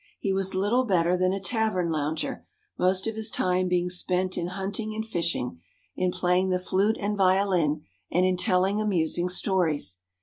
He was little better than a tavern lounger, most of his time being spent in hunting and fishing, in playing the flute and violin, and in telling amusing stories.